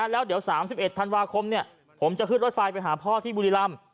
แล้วเดี๋ยว๓๑ธันวาคมผมจะขึ้นรถไฟไปหาพ่อที่บุรีรำ